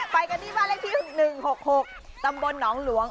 ไปกันที่บ้านเลขที่๖๑๖๖ตำบลหนองหลวง